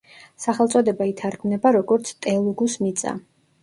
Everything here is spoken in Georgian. სახელწოდება ითარგმნება, როგორც „ტელუგუს მიწა“.